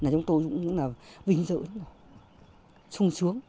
chúng tôi cũng vinh dự sung sướng